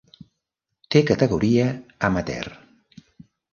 Té categoria amateur.